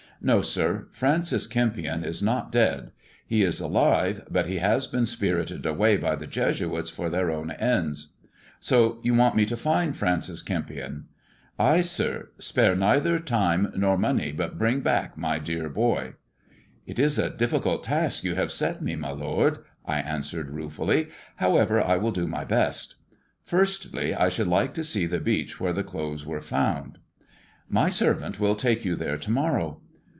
No, sir, Francis Kempion is not dead ! He is alive, but he has been spirited away by the Jesuits for their own ends." " So you want me to find Francis Kempion ]" "Aye, sirl Spare neither time nor money, but bring back my dear boy." "It is a difficult task you have set me, my lord," I answered ruefully. " However, I will do my best. Firstly I should like to see the beach where the clothes were found." " My servant shall take you there to morrow."